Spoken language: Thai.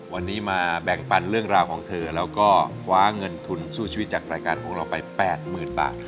วันนี้มาแบ่งปันเรื่องราวของเธอแล้วก็คว้าเงินทุนสู้ชีวิตจากรายการของเราไป๘๐๐๐บาท